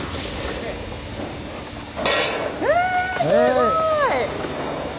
あすごい！